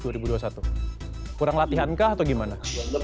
kurang latihankah atau gimana